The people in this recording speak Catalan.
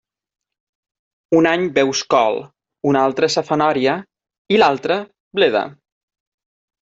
Un any veus col; un altre, safanòria, i l'altre, bleda.